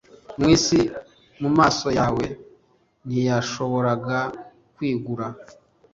mw'isi, mumaso yawe ntiyashoboraga kwigura